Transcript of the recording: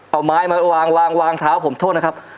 เอาไม้มาวางวางเท้าผมโทษนะครับ